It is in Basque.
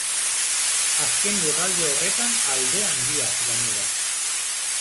Azken lurralde horretan alde handiaz, gainera.